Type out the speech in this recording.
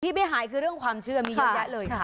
ไม่หายคือเรื่องความเชื่อมีเยอะแยะเลยค่ะ